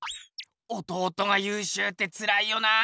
弟がゆうしゅうってつらいよな。